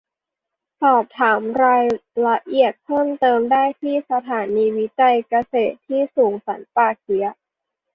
สอบถามรายละเอียดเพิ่มเติมได้ที่สถานีวิจัยเกษตรที่สูงสันป่าเกี๊ยะ